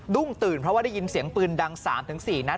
ตื่นเพราะว่าได้ยินเสียงปืนดัง๓๔นัด